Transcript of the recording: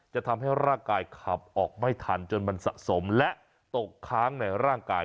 จะทำให้ร่างกายขับออกไม่ทันจนมันสะสมและตกค้างในร่างกาย